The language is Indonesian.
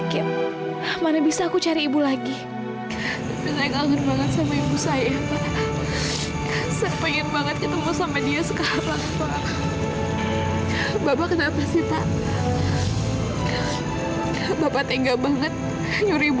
kalau saya lagi sedih